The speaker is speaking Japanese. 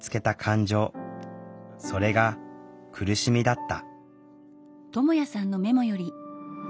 それが「苦しみ」だった。